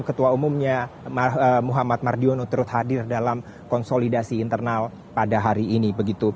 ketua umumnya muhammad mardiono turut hadir dalam konsolidasi internal pada hari ini